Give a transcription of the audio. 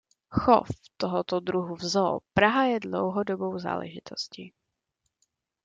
Chov tohoto druhu v Zoo Praha je dlouhodobou záležitostí.